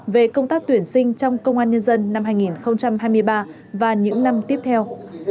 về công tác tuyển sinh trong công an nhân dân năm hai nghìn hai mươi ba và những năm tiếp theo